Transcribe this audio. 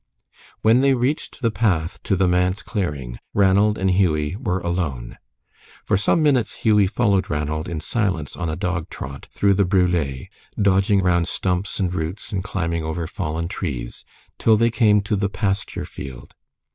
When they reached the path to the manse clearing Ranald and Hughie were alone. For some minutes Hughie followed Ranald in silence on a dog trot, through the brule, dodging round stumps and roots and climbing over fallen trees, till they came to the pasture field.